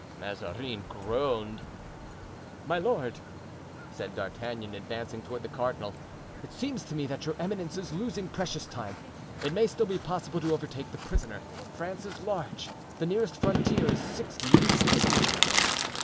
Mazarin groaned. "My lord," said D'Artagnan, advancing toward the cardinal, "it seems to me that your eminence is losing precious time. It may still be possible to overtake the prisoner. France is large; the nearest frontier is sixty leagues distant."